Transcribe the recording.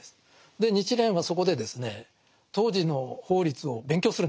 で日蓮はそこでですね当時の法律を勉強するんです。